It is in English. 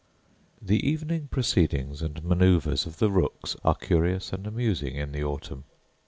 The evening proceedings and manoeuvres of the rooks are curious and amusing in the autumn.